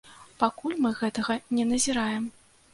Пакуль мы гэтага не назіраем.